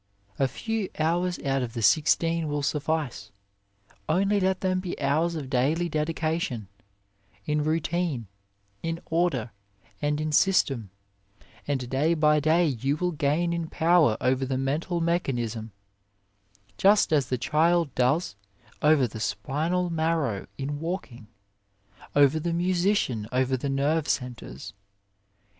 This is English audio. A few hours out of the sixteen will suffice, only let them be hours of daily dedication in routine, in order and in system, and day by day you will gain in 47 A WAY power over the mental mechan ism, just as the child does over the spinal marrow in walking, or the musician over the nerve centres.